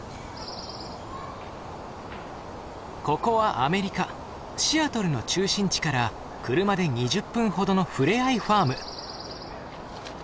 ここはアメリカ・シアトルの中心地から車で２０分ほどの触れ合いファーム。